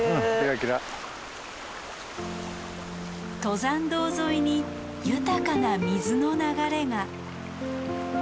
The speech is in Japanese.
登山道沿いに豊かな水の流れが。